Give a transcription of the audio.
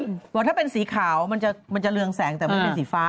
บอกถ้าเป็นสีขาวมันจะเรืองแสงแต่มันเป็นสีฟ้า